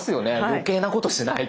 余計なことしない。